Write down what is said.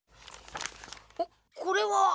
おっこれは。